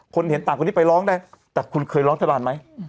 เห็นต่างคนนี้ไปร้องได้แต่คุณเคยร้องรัฐบาลไหม